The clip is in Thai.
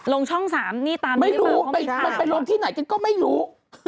ลงช่อง๓นี่ตามที่เฟิลเป็น๕คนนะไม่รู้ไปลงที่ไหนกันก็ไม่รู้